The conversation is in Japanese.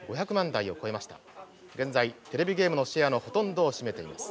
現在テレビゲームのシェアのほとんどを占めています。